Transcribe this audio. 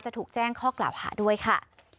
ถูกแจ้งข้อกล่าวหาด้วยค่ะ